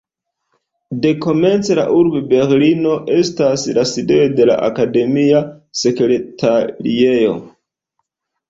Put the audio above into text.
Dekomence la urbo Berlino estas la sidejo de la akademia sekretariejo.